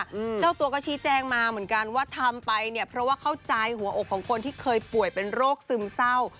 เจ้าตัวก็ชี้แจงมาเหมือนกันว่าทำไปเนี่ยเพราะว่าเข้าใจหัวอกของคนที่เคยป่วยเป็นโรคซึมเศร้า